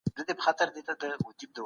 ټولنیز واحد د غړو ترمنځ اړیکه پیاوړې کوي.